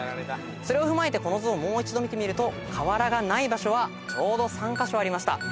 それを踏まえてこの図をもう一度見てみると瓦がない場所はちょうど３カ所ありました。